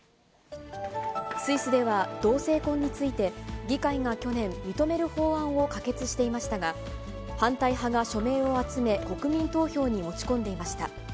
スイスでは同性婚について、議会が去年、認める法案を可決していましたが、反対派が署名を集め、国民投票に持ち込んでいました。